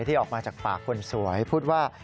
ที่ออกมาจากปากคนสวยพูดว่า